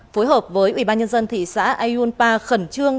phối hợp với ủy ban nhân dân thị xã ayunpa khẩn trương